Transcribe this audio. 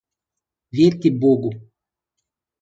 Верьте Богу.